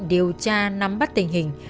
điều tra nắm bắt tình hình